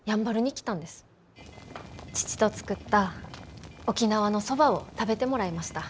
父と作った沖縄のそばを食べてもらいました。